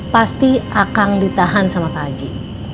pasti akang ditahan sama kak aji